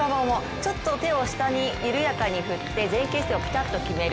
ちょっと手を下に、緩やかに振って前傾姿勢をピタッと決める